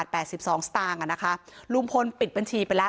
ตำรวจบอกว่าภายในสัปดาห์เนี้ยจะรู้ผลของเครื่องจับเท็จนะคะ